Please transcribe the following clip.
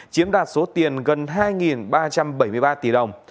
chiếm đoạt số tiền gần hai ba trăm bảy mươi ba tỷ đồng